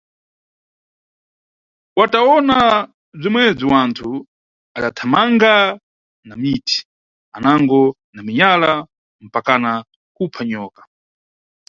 Watawona bzimwebzi wanthu adathamanga na miti, anango na minyala mpakana kupha nyoka.